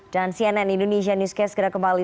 dan cnn indonesia newscast segera kembali